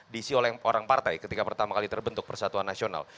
diisi oleh orang partai ketika pertama kali terbentuk persatuan nasional